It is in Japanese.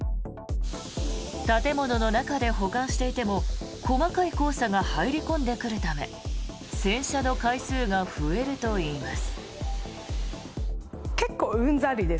建物の中で保管していても細かい黄砂が入り込んでくるため洗車の回数が増えるといいます。